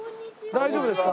大丈夫ですか？